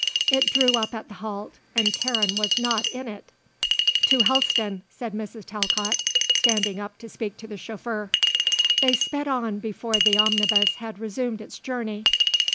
It drew up at the halt and Karen was not in it. "To Helston," said Mrs. Talcott, standing up to speak to the chauffeur. They sped on before the omnibus had resumed its journey.